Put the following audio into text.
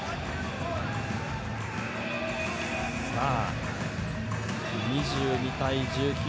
さあ、２２対１９。